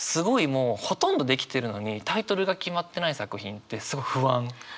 もうほとんど出来てるのにタイトルが決まってない作品ってすごい不安。